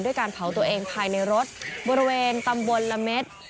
การเผาตัวเองภายในรถบริเวณตำบลละเม็ด